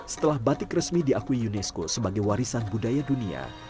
setelah batik resmi diakui unesco sebagai warisan budaya dunia